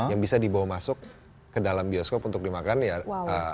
yang bisa dibawa masuk ke dalam bioskop untuk dimakan ya